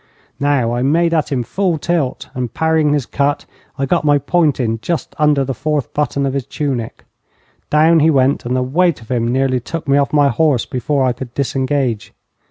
Now I made at him full tilt, and, parrying his cut, I got my point in just under the fourth button of his tunic. Down he went, and the weight of him nearly took me off my horse before I could disengage.